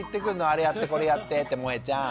あれやってこれやってってもえちゃん。